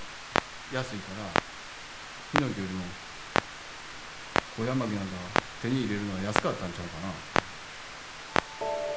ヒノキよりもコウヤマキなんか手に入れるのは安かったんちゃうかな。